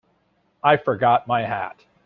I forgot my hat.